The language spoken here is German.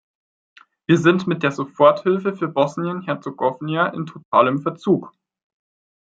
Wir sind mit der Soforthilfe für Bosnien-Herzegowina in totalem Verzug!